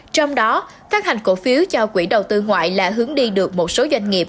trong đó phát hành cổ phiếu cho quỹ đầu tư ngoại là hướng đi được một số doanh nghiệp